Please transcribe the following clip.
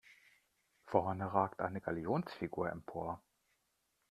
Vorne ragt eine Galionsfigur empor.